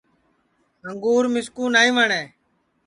انگُور مِسکُو نائیں وٹؔیں